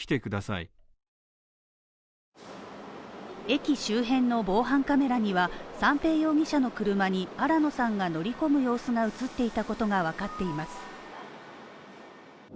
駅周辺の防犯カメラには三瓶容疑者の車に新野さんが乗り込む様子が映っていたことがわかっています。